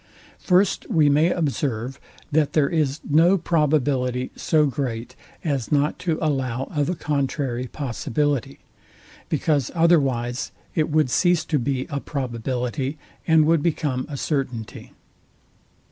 First, We may observe, that there is no probability so great as not to allow of a contrary possibility; because otherwise it would cease to be a probability, and would become a certainty.